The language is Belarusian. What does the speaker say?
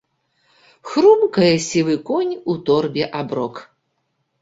Хрумкае сівы конь у торбе аброк.